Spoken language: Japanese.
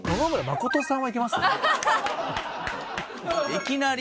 いきなり？